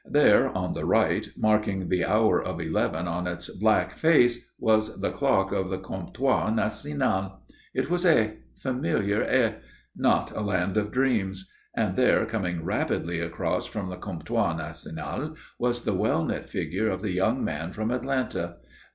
There on the right marking the hour of eleven on its black face was the clock of the Comptoir National. It was Aix; familiar Aix; not a land of dreams. And there coming rapidly across from the Comptoir National was the well knit figure of the young man from Atlanta.